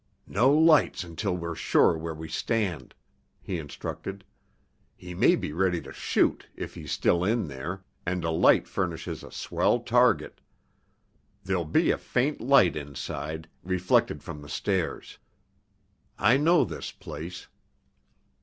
"No lights until we're sure where we stand," he instructed. "He may be ready to shoot, if he's still in there, and a light furnishes a swell target. There'll be a faint light inside, reflected from the stairs. I know this place.